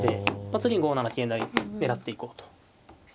次５七桂成狙っていこうと。